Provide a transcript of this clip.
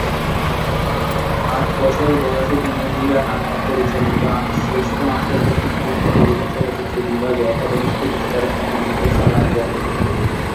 আট বছর বয়সে তিনি মীরা নায়ার পরিচালিত, শ্রেষ্ঠ আন্তর্জাতিক পূর্ণদৈর্ঘ্য চলচ্চিত্র বিভাগে একাডেমি পুরস্কারে মনোনীত "সালাম বম্বে!"